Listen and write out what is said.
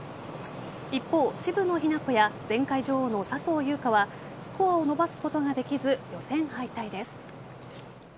一方、渋野日向子や前回女王の笹生優花はスコアを伸ばすことができず予選敗退です。